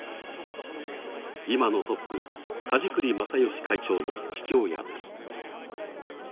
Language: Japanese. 今のトップ、梶栗正義会長の父親です。